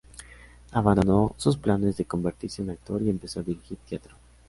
Abandonó sus planes de convertirse en actor y empezó a dirigir teatro.